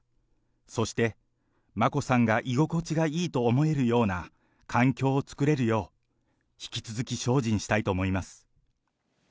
そして、眞子さんが居心地がいいと思えるような環境を作れるよう、引き続き精進したいと思います。